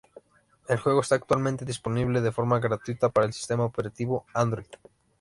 El juego está actualmente disponible de forma gratuita para el sistema operativo Android.